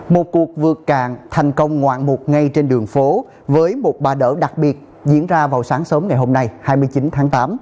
một cuộc vượt cạn thành công ngoạn mục ngay trên đường phố với một ba đỡ đặc biệt diễn ra vào sáng sớm ngày hôm nay hai mươi chín tháng tám